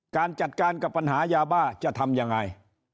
การจัดการกับปัญหายาบ้าจะทำยังไง